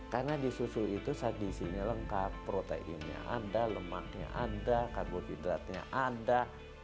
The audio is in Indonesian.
karena di susu itu sadisinya lengkap proteinnya ada lemaknya ada kagur hidratnya ada